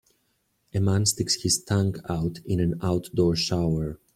A man sticks his tongue out in an outdoor shower.